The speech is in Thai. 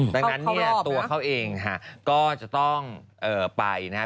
ตั้งนั้นตัวเขาเองก็จะต้องไปนะ